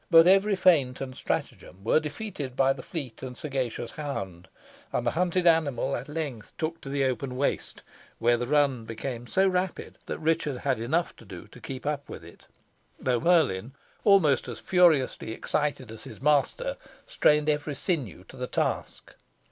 But every feint and stratagem were defeated by the fleet and sagacious hound, and the hunted animal at length took to the open waste, where the run became so rapid, that Richard had enough to do to keep up with it, though Merlin, almost as furiously excited as his master, strained every sinew to the task.